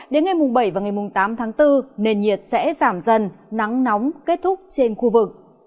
đến ngày bảy tám tháng bốn nền nhiệt sẽ giảm dần nắng nóng kết thúc trên khu vực